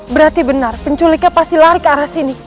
berarti benar penculiknya pasti lari ke arah sini